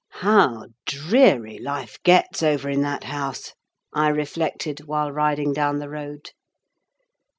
"How dreary life gets over in that house!" I reflected, while riding down the road.